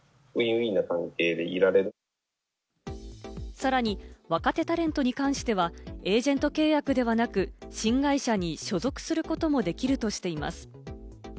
さらに、若手タレントに関してはエージェント契約ではなく、新会社に所属することもできるとしています。